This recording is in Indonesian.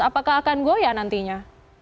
apakah akan goya nantinya